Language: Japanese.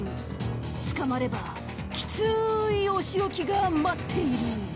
捕まればキツいお仕置きが待っている。